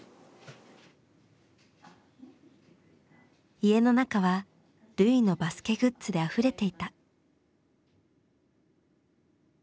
家の中は瑠唯のバスケグッズであふれていた。